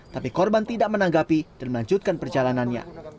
tapi korban tidak menanggapi dan melanjutkan perjalanannya